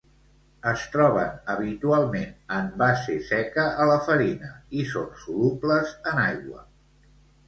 Es troben habitualment en base seca a la farina, i són solubles en aigua.